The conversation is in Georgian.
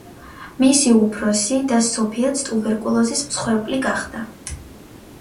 მისი უფროსი და სოფიაც ტუბერკულოზის მსხვერპლი გახდა.